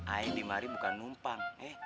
aye dimari bukan numpang